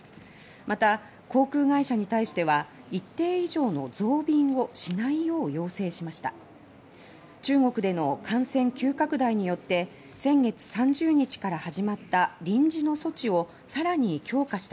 また航空会社に対しては一定以上の増便をしないよう要請しました。